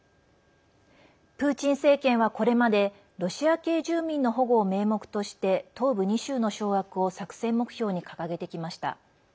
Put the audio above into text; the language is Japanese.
プーチン政権は、これまでロシア系住民の保護を名目として東部２州の掌握を作戦目標に掲げてきました。